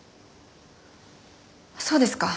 そうですか。